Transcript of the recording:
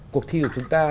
cuộc thi của chúng ta